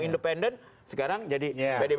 independen sekarang jadi bdp